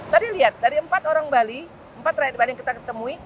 tadi lihat dari empat orang bali empat rakyat bali yang kita ketemui